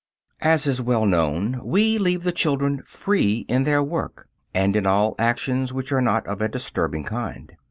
As is well known, we leave the children free in their work, and in all actions which are not of a disturbing kind.